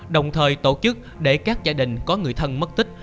đồng thời tổ chức để các gia đình có người thân mất tích